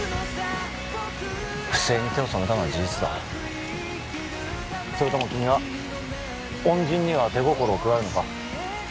不正に手を染めたのは事実だそれとも君は恩人には手心を加えるのか？